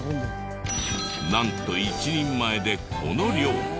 なんと１人前でこの量！